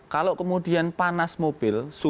kalau kemudian perakitan bom mobil itu tidak sederhana